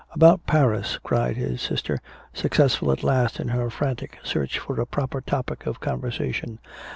"About Paris!" cried his sister, successful at last in her frantic search for a proper topic of conversation.